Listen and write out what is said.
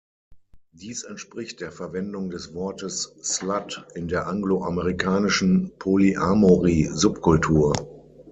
Dies entspricht der Verwendung des Wortes „slut“ in der angloamerikanischen Polyamory-Subkultur.